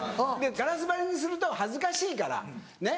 ガラス張りにすると恥ずかしいからねっ。